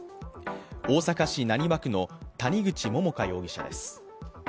大阪市浪速区の谷口桃花容疑者です。